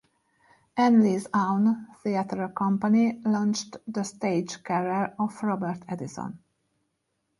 Ainley's own theatre company launched the stage career of Robert Eddison.